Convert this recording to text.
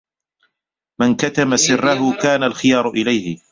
مَنْ كَتَمَ سِرَّهُ كَانَ الْخِيَارُ إلَيْهِ